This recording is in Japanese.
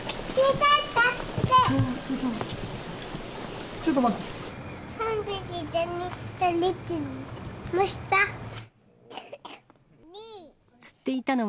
ちょっと待って。